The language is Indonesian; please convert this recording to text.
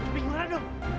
minggu rana dong